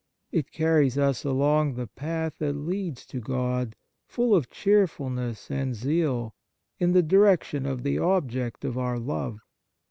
It carries us along the path that leads to God, full of cheer fulness and zeal, in the direction of the object of our love.